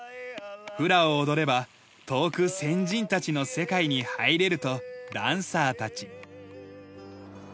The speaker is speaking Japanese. フラを踊れば遠く先人たちの世界に入れるとダンサーたち。